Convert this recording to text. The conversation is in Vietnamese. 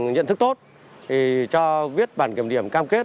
nhận thức tốt thì cho viết bản kiểm điểm cam kết